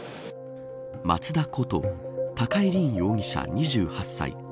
松田、こと高井凜容疑者２８歳。